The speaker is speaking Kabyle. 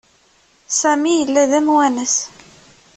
Sami yella d amwanes.